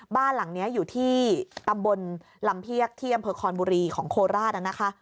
บ้านหลังนี้อยู่ที่ตำบลลำเทียกเที่ยมพคบุรีย์ของโคลราชน์